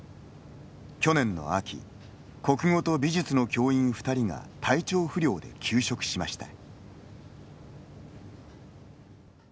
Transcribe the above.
去年の秋、国語と美術の教員２人が体調不良で休職しました。